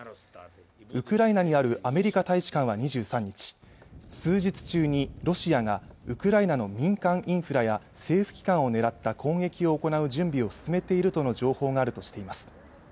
ウクライナにあるアメリカ大使館は２３日数日中にロシアがウクライナの民間インフラや政府機関を狙った攻撃を行う準備を進めているとの情報があるとしています